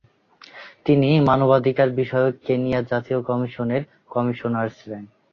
তিনি মানবাধিকার বিষয়ক কেনিয়া জাতীয় কমিশনের কমিশনার ছিলেন।